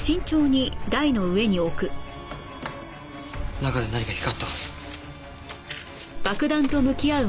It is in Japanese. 中で何か光ってます。